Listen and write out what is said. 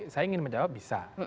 saya ingin menjawab bisa